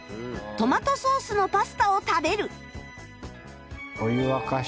トマトソースのパスタを食べる。